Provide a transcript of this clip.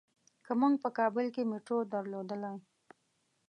که مونږ په کابل کې مېټرو درلودلای.